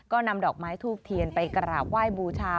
ก็นำดอกไม้ทูบเทียนไปกราบไหว้บูชา